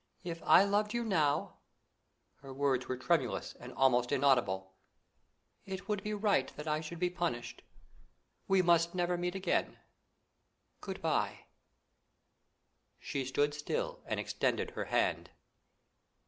If I loved you now," her words were tremulous and almost inaudible, "it would be right that I should be punished. We must never meet again. Good bye!" She stood still and extended her hand.